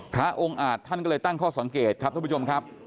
พระองค์อาจท่านก็เลยตั้งข้อสังเกตครับท่านผู้ชมครับ